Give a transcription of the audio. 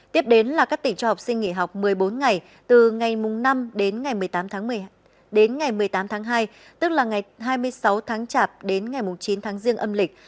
tiếp đến là các tỉnh cho học sinh nghỉ học một mươi bốn ngày từ ngày mùng năm đến ngày một mươi tám tháng hai tức ngày hai mươi sáu tháng chạp đến ngày mùng chín tháng riêng âm lịch